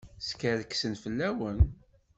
Skerksen fell-awen.